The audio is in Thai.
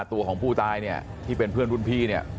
ตัวของผู้ตายเนี่ยที่เป็นเพื่อนรุ่นพี่เนี่ย